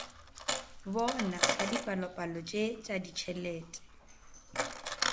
Bona ka dipalopalo tše tša ditšhelete.